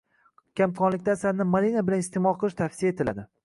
Kamqonlikda asalni malina bilan iste’mol qilish tavsiya etiladi.